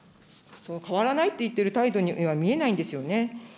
変わらないっている態度には見えないんですよね。